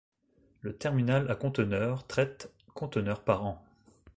Le terminal à conteneurs traite conteneurs par an.